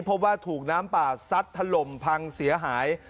เพราะว่าถูกน้ำป่าซัดถล่มพังเสียหาย